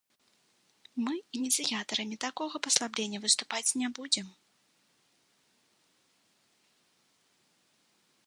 Мы ініцыятарамі такога паслаблення выступаць не будзем.